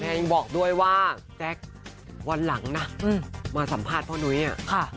ยังบอกด้วยว่าแจ๊ควันหลังนะมาสัมภาษณ์พ่อนุ้ยอ่ะค่ะ